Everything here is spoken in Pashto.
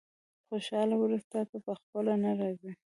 خوشاله ورځې تاته په خپله نه راځي.